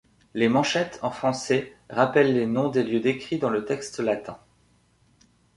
Les manchettes, en français, rappellent les noms des lieux décrits dans le texte latin.